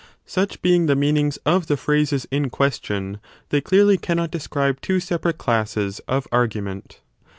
Such being the meanings of the phrases in question, they clearly cannot describe two separate classes of argument.